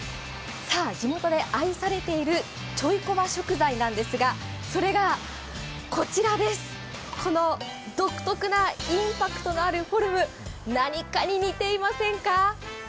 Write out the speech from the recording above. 地元で愛されているちょいコワ食材なんですがそれがこちらです、この独特なインパクトのあるフォルム、何かに似ていませんか？